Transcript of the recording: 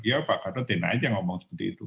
iya pak karena tena aja ngomong seperti itu